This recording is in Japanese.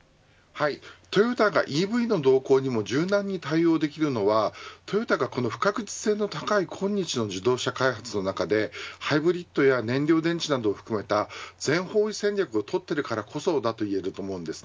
トヨタがＥＶの動向にも柔軟に対応できるのはトヨタが、この不確実性の高い今日の自動車開発の中でハイブリッドや燃料電池などを含めた全方位戦略を取っているからこそといえます。